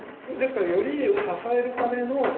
ですから頼家を支えるための